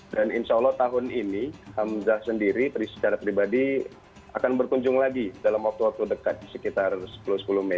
dan insyaallah tahun ini hamzah sendiri secara pribadi akan berkunjung lagi dalam waktu waktu dekat sekitar sepuluh sepuluh mei